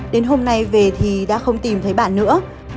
đến hôm nay về thì đã không tìm thấy bạn nữa